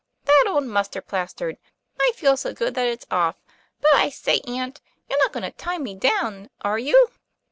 That old mustard plaster. I feel so good that it's off. But I say, aunt, you're not going to tie me down, are you